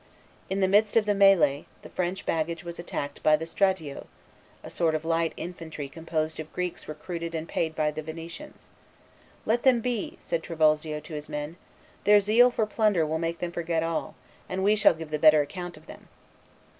In the midst of the melley, the French baggage was attacked by the Stradiots, a sort of light infantry composed of Greeks recruited and paid by the Venetians. "Let them be," said Trivulzio to his men; "their zeal for plunder will make them forget all, and we shall give the better account of them."